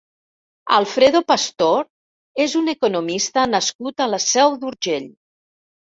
Alfredo Pastor és un economista nascut a la Seu d'Urgell.